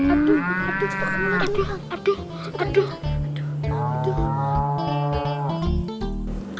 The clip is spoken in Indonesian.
aduh aduh aduh